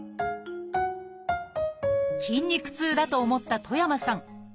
筋肉痛だと思った戸山さん